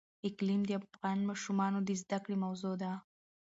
اقلیم د افغان ماشومانو د زده کړې موضوع ده.